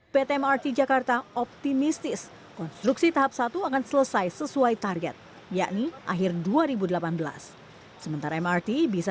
berikut laporannya untuk anda